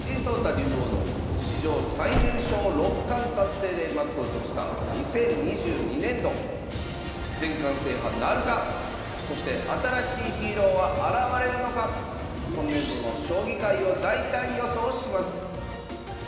竜王の史上最年少六冠達成で幕を閉じた２０２２年度そして新しいヒーローは現れるのか⁉今年度の将棋界を大胆予想します